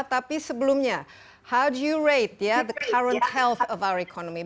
tapi sebelumnya bagaimana kamu menurut kesehatan ekonomi kita